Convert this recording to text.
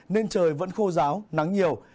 nên trời vẫn khô giáo nắng nhiều